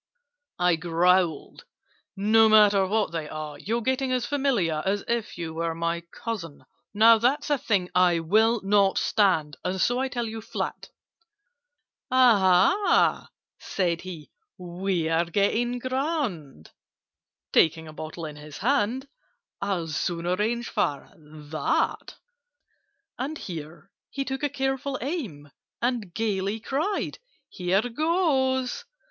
I growled "No matter what they are! You're getting as familiar As if you were my cousin! "Now that's a thing I will not stand, And so I tell you flat." "Aha," said he, "we're getting grand!" (Taking a bottle in his hand) "I'll soon arrange for that!" And here he took a careful aim, And gaily cried "Here goes!"